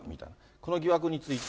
この疑惑について。